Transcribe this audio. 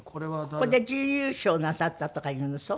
ここで準優勝なさったとかいうのそう？